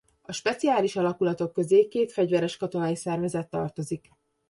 A Speciális alakulatok közé két fegyveres-katonai szervezet tartozik.